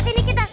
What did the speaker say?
sih pak pak pak